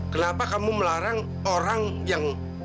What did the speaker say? kenapa kamu melarang orang yang